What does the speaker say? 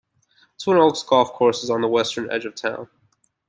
Twin Oaks Golf course is on the western edge of town.